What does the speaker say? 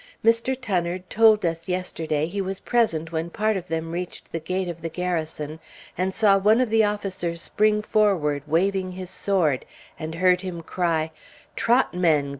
Mr. Tunnard told us yesterday he was present when part of them reached the gate of the Garrison, and saw one of the officers spring forward, waving his sword, and heard him cry, "Trot, men!